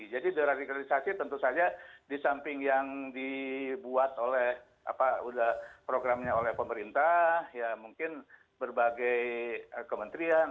jadi deradikalisasi tentu saja di samping yang dibuat oleh apa programnya oleh pemerintah ya mungkin berbagai kementerian